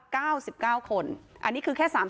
ชุมชนแฟลต๓๐๐๐๐คนพบเชื้อ๓๐๐๐๐คนพบเชื้อ๓๐๐๐๐คน